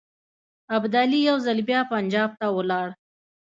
ابدالي یو ځل بیا پنجاب ته ولاړ.